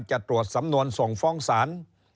จะตรวจสำนวนส่งฟ้องศาล